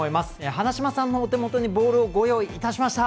花島さんのお手元にボールをご用意いたしました。